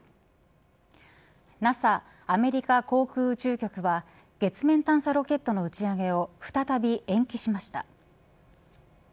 アメリカ航空宇宙局は月面探査ロケットの打ち上げを再び延期しました。